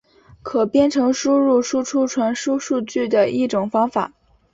可编程输入输出传输数据的一种方法。